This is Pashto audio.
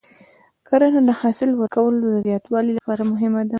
کرنه د حاصل ورکولو د زیاتوالي لپاره مهمه ده.